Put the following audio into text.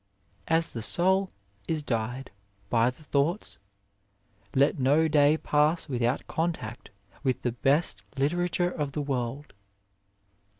As the soul is dyed by the thoughts, let no day pass without contact with the best literature of the world.